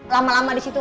lama lama di situ